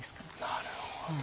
なるほど。